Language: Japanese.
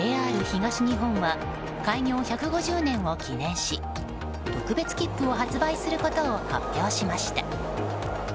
ＪＲ東日本は開業１５０年を記念し特別切符を発売することを発表しました。